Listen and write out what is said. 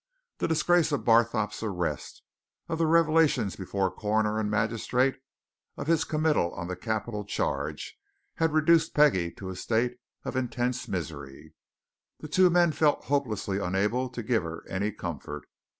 The disgrace of Barthorpe's arrest, of the revelations before coroner and magistrate, of his committal on the capital charge, had reduced Peggie to a state of intense misery; the two men felt hopelessly unable to give her any comfort.